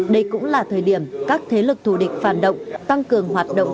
đây cũng là thời điểm các thế lực thù địch phản động tăng cường hoạt động